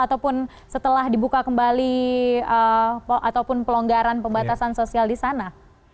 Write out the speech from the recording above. ataupun setelah dibuka kembali ataupun pelonggaran pembatasan sosial di sana